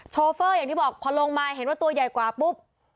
โชเฟอร์อย่างที่บอกพอลงมาเห็นว่าตัวใหญ่กว่าปุ๊บ